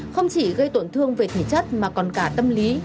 không chỉ gây tổn thương về thể chất mà còn cả tâm lý